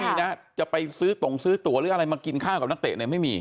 มีนะจะไปซื้อตรงซื้อตัวหรืออะไรมากินข้าวกับนักเตะเนี่ยไม่มี